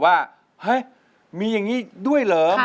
สวัสดีครับคุณผู้ชมทุกท่านที่กำลังรับชมไทยรัฐทีวีช่อง๓๒อยู่นะครับ